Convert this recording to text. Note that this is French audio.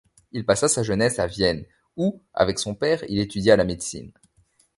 Il passa sa jeunesse à Vienne, où avec son père il étudia la médecine.